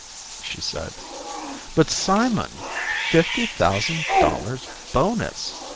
She said, "But Simon. Fifty thousand dollars bonus.